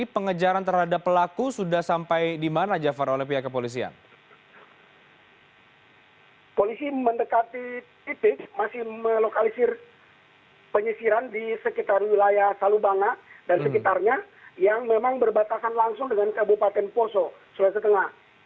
penyisiran di sekitar wilayah salubanga dan sekitarnya yang memang berbatasan langsung dengan kabupaten poso sulai setengah